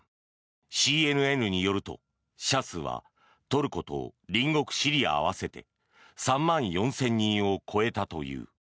ＣＮＮによると、死者数はトルコと隣国シリア合わせて３万４０００人を超えたという。